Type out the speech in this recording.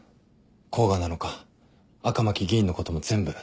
甲賀なのか赤巻議員のことも全部。